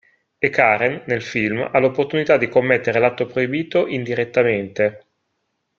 E Karen, nel film, ha l'opportunità di commettere l'atto proibito indirettamente".